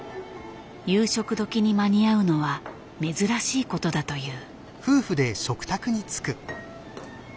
夕食時に間に合うのは珍しいことだという。